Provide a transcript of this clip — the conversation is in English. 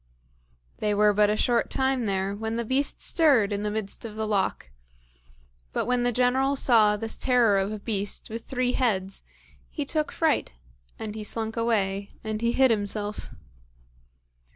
They were but a short time there when the beast stirred in the midst of the loch; but when the General saw this terror of a beast with three heads, he took fright, and he slunk away, and he hid himself.